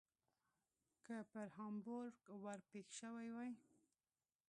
که پر هامبورګ ور پیښ شوي وای.